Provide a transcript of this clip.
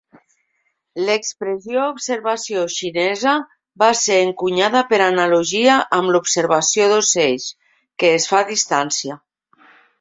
L"expressió "observació xinesa" va ser encunyada per analogia amb l"observació d"ocells, que es fa a distància.